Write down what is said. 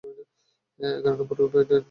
এগার নম্বর বেডের দিকে তাকলাম।